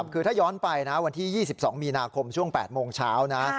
คือถ้าย้อนไปนะวันที่๒๒มีนาคมช่วง๘โมงเช้านะ